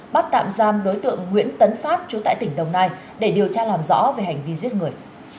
bắt tạm giam đối tượng nguyễn tấn phát trú tại tỉnh đồng nai để điều tra làm rõ về hành vi giết người